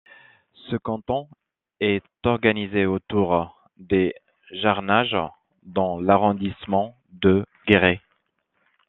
Ce canton est organisé autour de Jarnages dans l'arrondissement de Guéret.